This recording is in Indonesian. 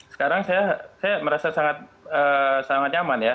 sekarang saya merasa sangat nyaman ya